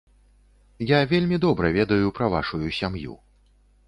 Я вельмі добра ведаю пра вашую сям'ю.